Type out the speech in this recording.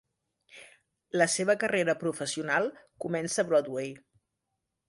La seva carrera professional comença a Broadway.